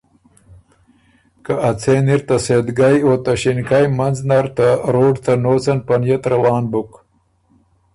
که ا څېن اِر ته سېدګئ او ته ݭِنکئ منځ نر ته روډ ته نوڅن په نيت روان بُک۔